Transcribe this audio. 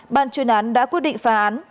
ban chuyên án đã quyết định phá án